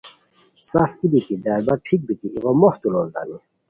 سف ای دربت پھیک بیتی ایغو موختو لوڑیتانی